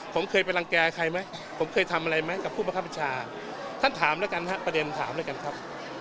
ผมเคยไปรังแก่ใครไหมผมเคยทำอะไรไหมกับผู้บังคับบัญชาท่านถามแล้วกันฮะประเด็นถามแล้วกันครับ